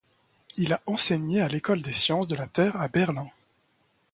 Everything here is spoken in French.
Il a enseigné à l’école des sciences de la terre à Berlin.